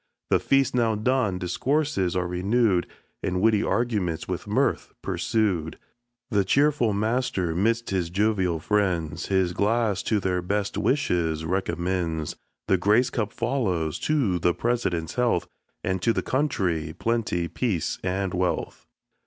The feast now done, discourses are renewed, And witty arguments with mirth pursued; The cheerful master, 'midst his jovial friends, His glass to their best wishes recommends. The grace cup follows: To the President's health And to the country; Plenty, Peace, and Wealth!